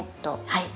はい。